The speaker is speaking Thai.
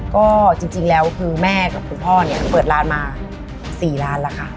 ก็จริงแล้วคือแม่กับคุณพ่อเนี่ยเปิดร้านมา๔ร้านแล้วค่ะ